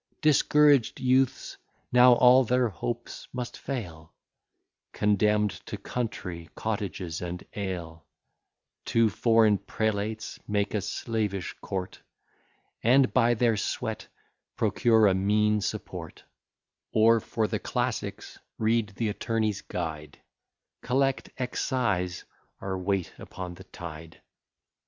Discouraged youths! now all their hopes must fail, Condemn'd to country cottages and ale; To foreign prelates make a slavish court, And by their sweat procure a mean support; Or, for the classics, read "The Attorney's Guide;" Collect excise, or wait upon the tide.